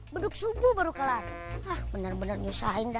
bener bener nyusah i anyone